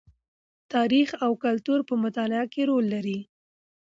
د تاریخ او کلتور په مطالعه کې رول لري.